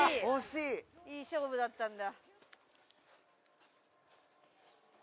いい勝負だったんだ。